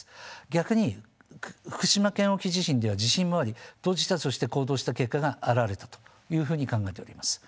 逆に福島県沖地震では地震もあり当事者として行動した結果が表れたというふうに考えております。